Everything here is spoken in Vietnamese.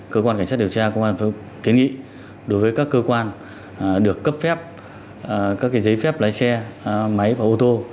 cơ quan cảnh sát điều tra cơ quan thành phố kế nghị đối với các cơ quan được cấp phép các cái giấy phép lái xe máy và ô tô